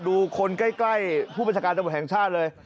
ดูคนใกล้ผู้บัญชาการตำรวจแห่งชาติเลย